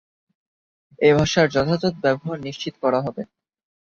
এ ভাষার যথাযথ ব্যবহার নিশ্চিত করা হবে।